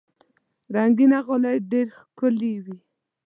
رنګینه غالۍ ډېر ښکلي وي.